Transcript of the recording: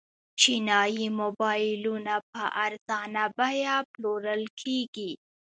چینايي موبایلونه په ارزانه بیه پلورل کیږي.